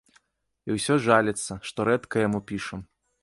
І ўсё жаліцца, што рэдка яму пішам.